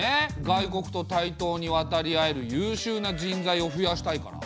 外国と対等にわたりあえるゆうしゅうな人材を増やしたいから。